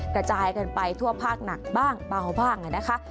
กระจายกันไปทั่วภาคหนักบ้างเบาบ้างนะคะ